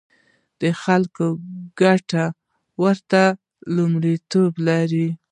د خلکو ګټې ورته لومړیتوب لري.